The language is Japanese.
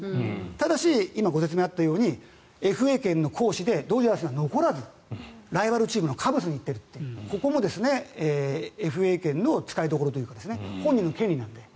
ただし、今ご説明あったようにＦＡ権の行使でドジャースには残らずライバルチームのカブスに行っているというここもＦＡ権の使いどころというか本人の権利なので。